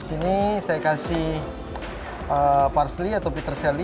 ini saya kasih parsley atau peterseli